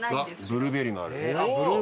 ブルーベリーもある。